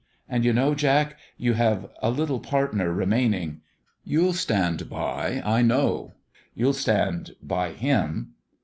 And you know, Jack, you have a little partner remaining. You'll stand by, I know. You'll stand by him."